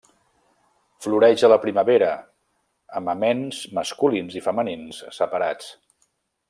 Floreix a la primavera amb aments masculins i femenins separats.